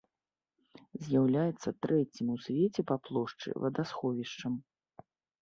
З'яўляецца трэцім ў свеце па плошчы вадасховішчам.